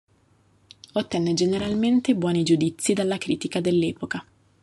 Ottenne generalmente buoni giudizi dalla critica dell'epoca.